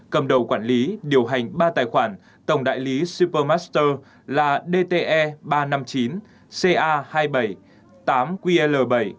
cầm đầu quản lý điều hành ba tài khoản tổng đại lý supermaster là dte ba trăm năm mươi chín ca hai trăm bảy mươi tám ql bảy